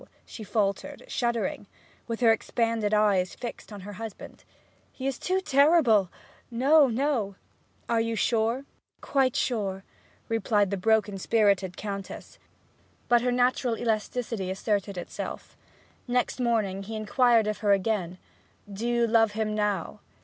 she faltered, shuddering, with her expanded eyes fixed on her husband. 'He is too terrible no, no!' 'You are sure?' 'Quite sure!' replied the poor broken spirited Countess. But her natural elasticity asserted itself. Next morning he again inquired of her: 'Do you love him now?'